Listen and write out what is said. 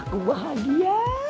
aku berasa mantu di rumah kamu